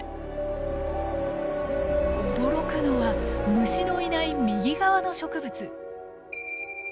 驚くのは虫のいない右側の植物。